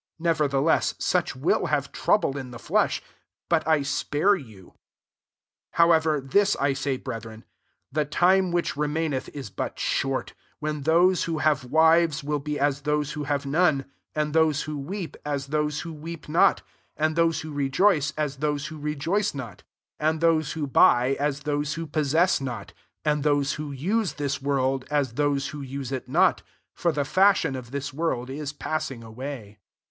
Nevertheless, such will live trouble in the flesh: but spare you. 29 However, this say, brethren. The time which ;main^th is but shqrt, when K)se who have irivcs, will be } those who havQ none ; 30 and lose who weep, as those who ccp not ; and those who re joice, as those who rejoice not ; and those who buy, as those who possess not; 31 and those who use this world, as those who use it not : for the fashion of this world is passing away.